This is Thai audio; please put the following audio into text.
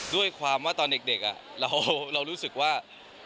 ด้วยความว่าตอนเด็กเรารู้สึกว่า